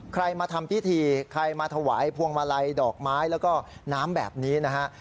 ใครมาทำพิธีใครมาถวายพวงมาลัยดอกไม้แล้วก็น้ำแบบนี้นะฮะ